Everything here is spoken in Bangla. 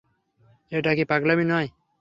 এটা কি পাগলামি নয়?